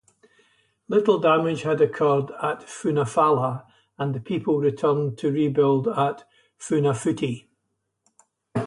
Little damage had occurred at Funafala and the people returned to rebuild at Funafuti.